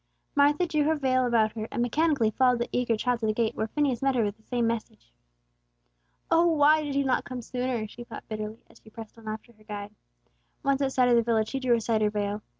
Martha drew her veil about her, and mechanically followed the eager child to the gate, where Phineas met her with the same message. "Oh, why did He not come sooner?" she thought bitterly, as she pressed on after her guide. Once outside of the village, she drew aside her veil.